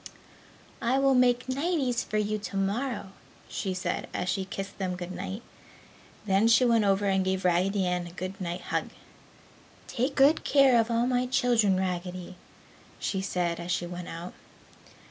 "I will make nighties for you tomorrow!" she said as she kissed them good night. Then she went over and gave Raggedy Ann a good night hug. "Take good care of all my children, Raggedy!" she said as she went out.